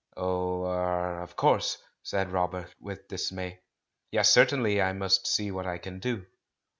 "Oh — er — of course," said Robert with dismay. "Yes, certainly I must see what I can do."